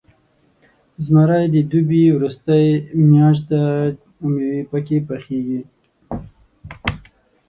زمری د دوبي وروستۍ میاشت ده، او میوې پکې پاخه کېږي.